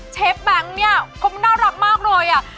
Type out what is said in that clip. เชฟแบงค์นี่เขาน่ารักมากเลย